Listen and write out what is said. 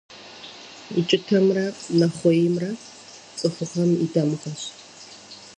УкIытэмрэ нэхъуеймрэ цIыхугъэм и дамыгъэщ.